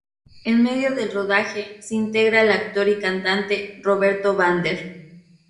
En medio del rodaje, se integra el actor y cantante, Roberto Vander.